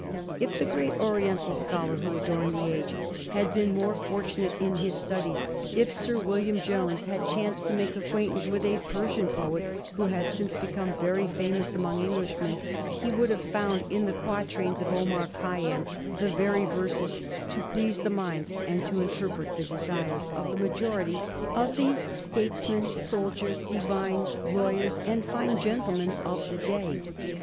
If the great Oriental scholar who adorned the age had been more fortunate in his studies, if Sir William Jones had chanced to make acquaintance with a Persian poet who has since become very famous among Englishmen, he would have found in the quatrains of Omar Khayyam the very verses to please the minds and to interpret the desires of the majority of the statesmen, soldiers, divines, lawyers, and fine gentlemen of the day.